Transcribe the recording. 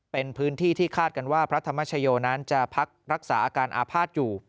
เป็นพื้นที่ที่คาดกันว่าพระธรรมชโยนั้นจะพักรักษาอาการอาภาษณ์อยู่